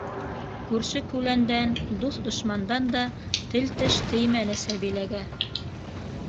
Күрше-күләндән, дуҫ-дошмандан да тел-теш теймәне Сәбиләгә.